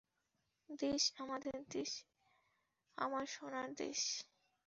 দেশ, আমার দেশ, আমার সোনার দেশ!